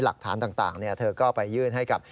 หลักฐานต่างเธอก็ไปยื่นให้กับ